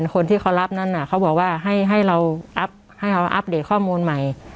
คนที่เขารับนั้นเขาบอกว่าให้เราให้เขาอัปเดตข้อมูลใหม่